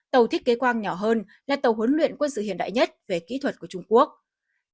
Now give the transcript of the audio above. tàu thiết kế quang nhỏ hơn là tàu huấn luyện quân sự hiện đại nhất về kỹ thuật của trung quốc